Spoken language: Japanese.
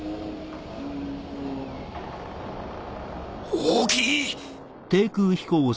大きい！